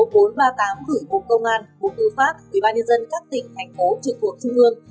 gửi bộ công an bộ tư pháp ubnd các tỉnh thành phố trực cuộc chung hương